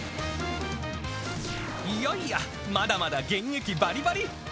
いやいや、まだまだ現役ばりばり。